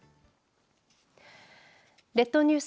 列島ニュース